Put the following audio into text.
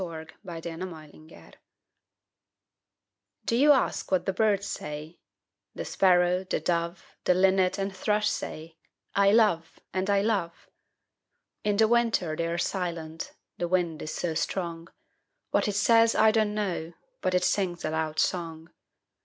ANSWER TO A CHILD'S QUESTION[386:1] Do you ask what the birds say? The Sparrow, the Dove, The Linnet and Thrush say, 'I love and I love!' In the winter they're silent the wind is so strong; What it says, I don't know, but it sings a loud song.